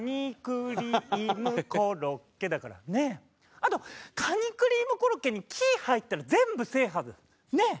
あとカニクリームコロッケに「キ」入ったら全部制覇ねえ。